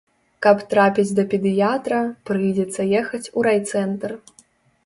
Каб трапіць да педыятра, прыйдзецца ехаць у райцэнтр.